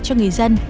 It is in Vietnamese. cho người dân